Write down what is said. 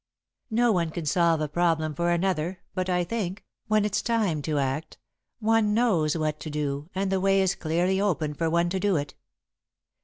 "No one can solve a problem for another, but, I think, when it's time to act, one knows what to do and the way is clearly opened for one to do it.